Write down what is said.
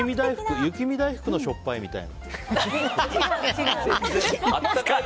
雪見大福のしょっぱいみたいな。